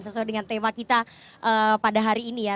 sesuai dengan tema kita pada hari ini ya